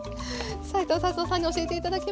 斉藤辰夫さんに教えて頂きました。